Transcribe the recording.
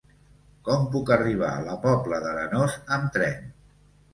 Com puc arribar a la Pobla d'Arenós amb tren?